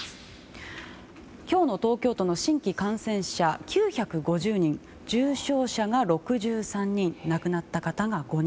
今日の東京都の新規感染者９５０人重症者が６３人亡くなった方が５人。